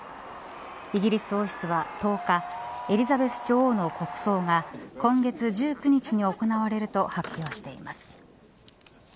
イギリス王室は１０日エリザベス女王の国葬が今月１９日に行われると発表しています。